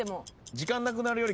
時間なくなるよりかは。